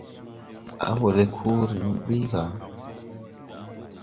A woo le koore ni ɓuy ga.